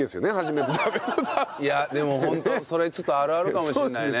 いやでもホントそれちょっとあるあるかもしれないね。